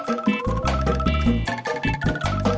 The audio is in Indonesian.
semarang semarang semarang